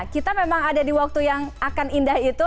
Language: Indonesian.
kita memang ada di waktu yang akan indah itu